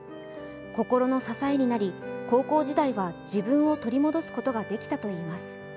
心の支えになり、高校時代は自分を取り戻すことができたといいます。